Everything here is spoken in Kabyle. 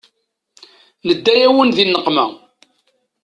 Nedda-yawen di nneqma.